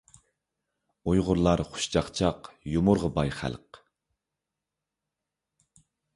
ئۇيغۇرلار خۇش چاقچاق، يۇمۇرغا باي خەلق.